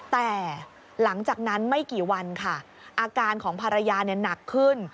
แต่หลังจากนั้นไม่กี่วันค่ะอาการของภรรยาหนักขึ้น